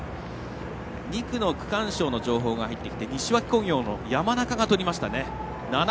２区の区間賞の情報が入ってきて西脇工業の山中がとりました。